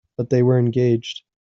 But they were engaged.